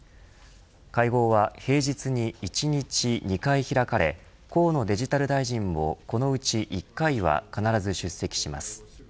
会合は平日に１日２回開かれ河野デジタル大臣もこのうち１回は必ず出席します。